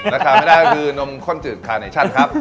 ราคาไม่ได้ก็คือนมข้นจืดคาเนชั่นครับ